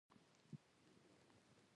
پیاز د بدن خولې له منځه وړي